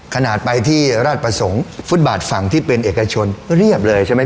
ขนาดไปที่ราชประสงค์ฟุตบาทฝั่งที่เป็นเอกชนเรียบเลยใช่ไหม